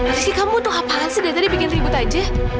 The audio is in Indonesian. posisi kamu tuh apaan sih dari tadi bikin ribut aja